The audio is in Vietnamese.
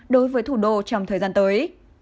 đối với thủ đô trong thời gian tới